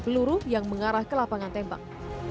peluru yang mengarah ke lapangan tembak